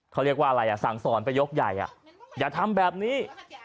เขาเรียกว่าอะไรอ่ะสั่งสอนไปยกใหญ่อย่าทำแบบนี้